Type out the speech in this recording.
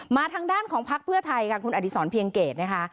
ทางด้านของพักเพื่อไทยค่ะคุณอดีศรเพียงเกตนะคะ